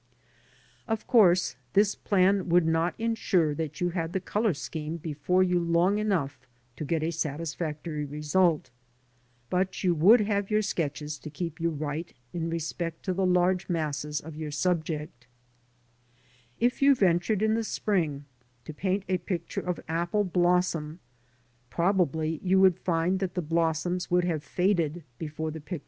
Of course, this plan would not insure that you had the colour scheme before you long enough to get a satisfactory result, but you would have your sketches to keep you right in respect to the large masses of your subject. If you ventured in the spring to paint a picture of apple blossom, probably you would find that the blossoms would have faded before the picture was done.* Or you might paint a subject that mainly depends upon its colour.